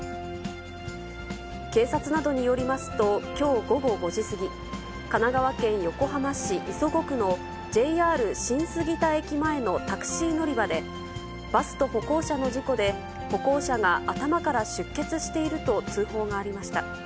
警察などによりますと、きょう午後５時過ぎ、神奈川県横浜市磯子区のＪＲ新杉田駅前のタクシー乗り場で、バスと歩行者の事故で、歩行者が頭から出血していると通報がありました。